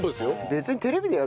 別に。